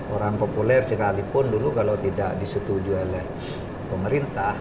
orang populer sekalipun dulu kalau tidak disetujui oleh pemerintah